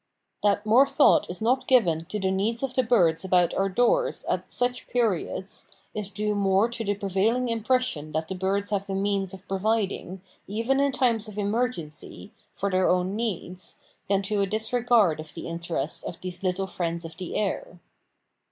That more thought is not given to the needs of the birds about our doors, at such periods, is due more to the prevailing impression that the birds have the means of providing, even in times of emergency, for their own needs, than to a disregard of the interests of these little friends of the air.